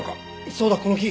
そうだこの木！